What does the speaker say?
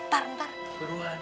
itu mungkin sekarang juga ya